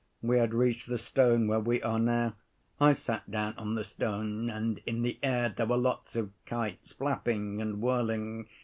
We had reached the stone where we are now. I sat down on the stone. And in the air there were lots of kites flapping and whirling.